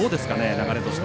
流れとしては。